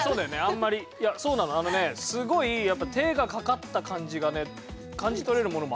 あんまりいやそうなのあのねすごいやっぱ手がかかった感じがね感じ取れるものもあんの。